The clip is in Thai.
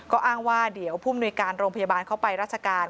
ก็อ้างว่าเดี๋ยวผู้มนุยการโรงพยาบาลเข้าไปราชการ